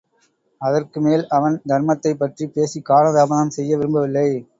அதற்கு மேல் அவன் தர்மத்தைப் பற்றிப் பேசிக் காலதாமதம் செய்ய விரும்பவில்லை.